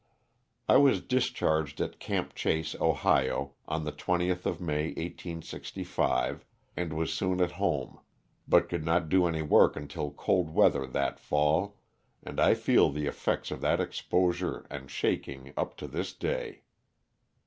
I was discharged at "Camp Chase," Ohio, on the 20th of May, 1865, and was soon at home but could not do any work until cold weather that fall, and I feel the effects of that exposure and shaking up to this day.